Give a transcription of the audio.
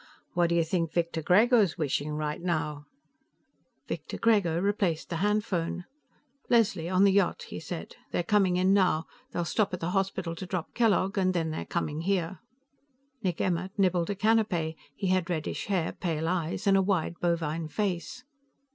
"What do you think Victor Grego's wishing, right now?" Victor Grego replaced the hand phone. "Leslie, on the yacht," he said. "They're coming in now. They'll stop at the hospital to drop Kellogg, and then they're coming here." Nick Emmert nibbled a canape. He had reddish hair, pale eyes and a wide, bovine face.